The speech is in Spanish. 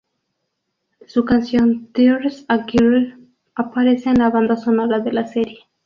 Su canción "There's a Girl" aparece en la banda sonora de la serie.